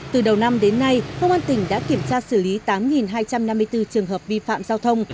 từ đầu năm đến nay công an tỉnh đã kiểm tra xử lý tám hai trăm năm mươi bốn trường hợp vi phạm giao thông